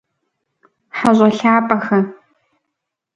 Хьэщӏэ лъапӏэхэ!